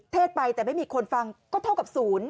เทศไปแต่ไม่มีคนฟังก็เท่ากับศูนย์